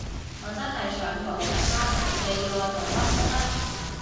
我真係想補償返，你要我做乜都得